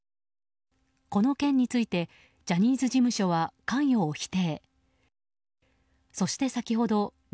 この件についてジャニーズ事務所は関与を否定。